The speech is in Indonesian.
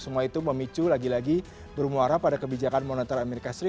semua itu memicu lagi lagi bermuara pada kebijakan moneter as